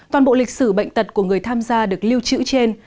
toàn bộ lịch sử bệnh tật của người tham gia được lưu trữ trên